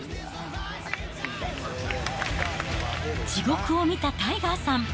地獄を見たタイガーさん。